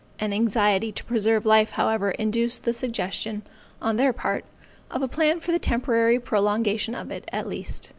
An anxiety to preserve life, however, induced the suggestion, on their parts, of a plan for the temporary prolongation of it, at least.